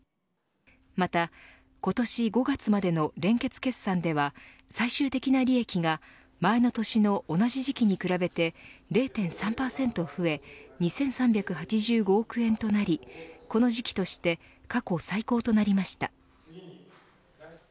また今年５月までの連結決算では最終的な利益が前の年の同じ時期に比べて０．３％増え２３８５億円となりこの時期として過去最高となりました。